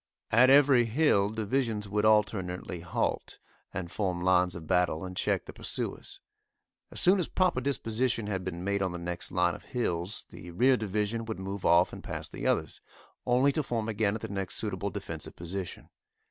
At every hill divisions would alternately halt, and form lines of battle and check the pursuers. As soon as proper disposition had been made on the next line of hills the rear division would move off and pass the others, only to form again at the next suitable defensive position.